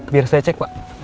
biar saya cek pak